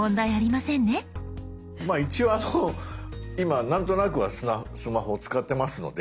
まあ一応あの今なんとなくはスマホを使ってますので。